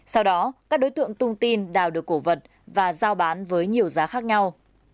sau đó các đối tượng tung tin đào được cổ vật và giao bán với nhiều giá khác nhau